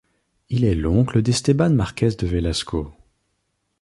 Il est l'oncle d'Esteban Márquez de Velasco.